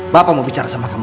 bapak mau bicara sama kamu